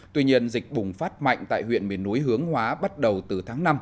tuy nhiên dịch bùng phát mạnh tại huyện miền núi hướng hóa bắt đầu từ tháng năm